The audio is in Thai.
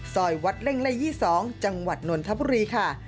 ซอยวัดเล่งละ๒๒จังหวัดนวลธัปรีค่ะ